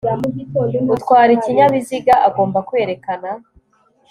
utwara ikinyabiziga agomba kwerekana